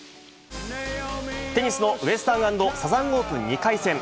テニスのウエスタン＆サザンオープン２回戦。